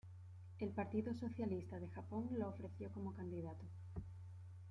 El Partido Socialista de Japón lo ofreció como candidato.